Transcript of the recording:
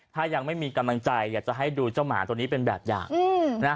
ถ้ายังไม่มีกำลังใจอยากจะให้ดูเจ้าหมาตัวนี้เป็นแบบอย่างนะ